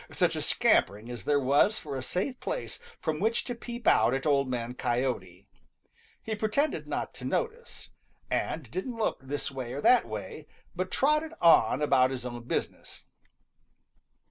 such a scampering as there was for a safe place from which to peep out at Old Man Coyote! He pretended not to notice, and didn't look this way or that way, but trotted on about his own business.